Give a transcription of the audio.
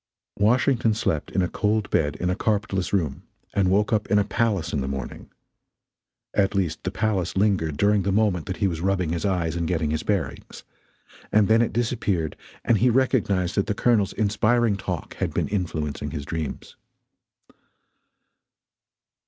Washington slept in a cold bed in a carpetless room and woke up in a palace in the morning; at least the palace lingered during the moment that he was rubbing his eyes and getting his bearings and then it disappeared and he recognized that the Colonel's inspiring talk had been influencing his dreams.